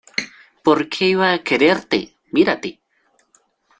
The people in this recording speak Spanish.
¿ Por qué iba a quererte? ¡ mírate!